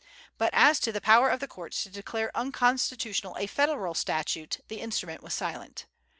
But as to the power of the courts to declare unconstitutional a Federal statute, the instrument was silent.